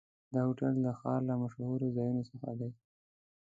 دا هوټل د ښار له مشهورو ځایونو څخه دی.